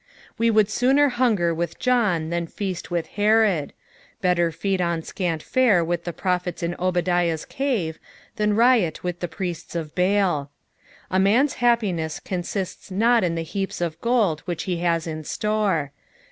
We would sooner hunger with John than feast with Herod ; better feed on scant fare with the prophets in Obadiah's csve than riot with the priests of Baal. A man's happiness consists not in the heaps of gold which he has in store.